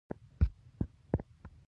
د زابل په شنکۍ کې د سرو زرو نښې شته.